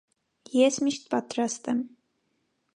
ես միշտ պատրաստ եմ: